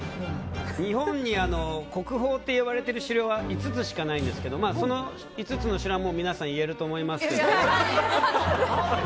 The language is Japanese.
日本に、国宝って呼ばれている城は５つしかないんですがその５つの城、皆さん言えると思いますけど。